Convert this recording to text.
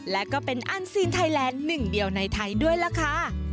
และก็เป็นอันซีนไทยแลนด์หนึ่งเดียวในไทยด้วยล่ะค่ะ